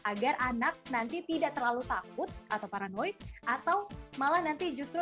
agar anak nanti tidak terlalu takut atau paranoid atau malah nanti justru